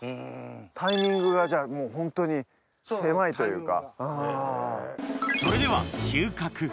タイミングがもうホントに狭いというか。